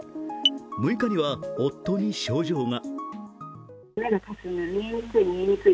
６日には夫に症状が。